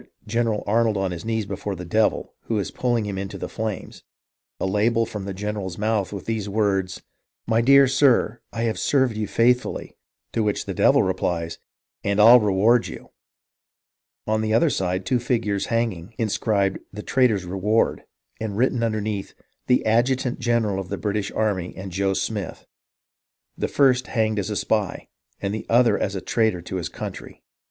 General Arnold on his knees before the Devil, who is pulling him into the flames ; a label from the general's mouth with these words, ' My dear sir, I have served you faithfully;' to which the Devil replies, 'And I'll reward you.' On another side, two figures hanging, inscribed, ' The Traitor's Reward,' and written underneath, * The Adjutant general of the British Army, and Joe Smith ; the first hanged as a spy, and the other as a traitor to his country.'